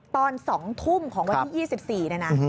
ตอน๒ทุ่มของวันที่๒๔เนี่ยนะ